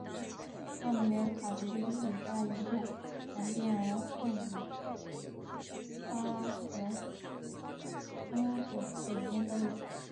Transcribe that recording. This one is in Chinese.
哈米尔卡决定自己扎营在南边而汉尼拔则封锁北面道路。